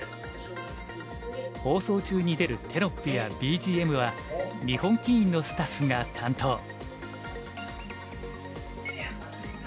放送中に出るテロップやＢＧＭは日本棋院のスタッフが担当。